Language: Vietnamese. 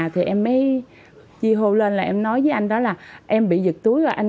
thì em mới chi hô lên là em nói với anh đó là em bị giật túi rồi anh